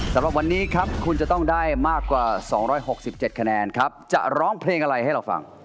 สำหรับวันนี้ครับคุณจะต้องได้มากกว่า๒๖๗คะแนนครับจะร้องเพลงอะไรให้เราฟัง